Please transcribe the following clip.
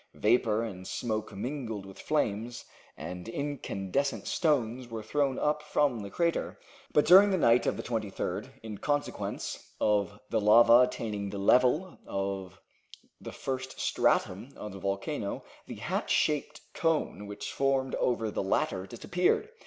Vapor and smoke mingled with flames and incandescent stones were thrown up from the crater. But during the night of the 23rd, in consequence of the lava attaining the level of the first stratum of the volcano, the hat shaped cone which formed over the latter disappeared.